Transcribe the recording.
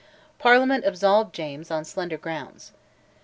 Parliament absolved James on slender grounds.